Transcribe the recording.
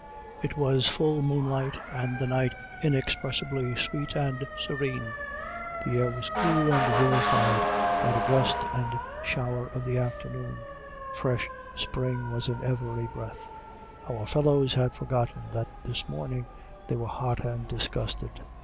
It was full moonlight and the night inexpressibly sweet and serene. The air was cool and vivified by the gust and shower of the afternoon. Fresh spring was in every breath. Our fellows had forgotten that this morning they were hot and disgusted.